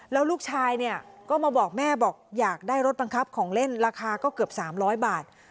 แล้วลูกชายเนี่ยก็มาบอกแม่บอกอยากได้รถบังคับของเล่นราคาก็เกือบ๓๐๐บาท